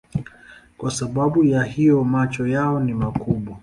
Kwa sababu ya hiyo macho yao ni makubwa.